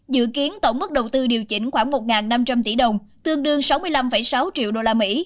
dự kiến tổng mức đầu tư điều chỉnh khoảng một năm trăm linh tỷ đồng tương đương sáu mươi năm sáu triệu usd